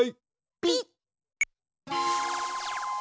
ピッ。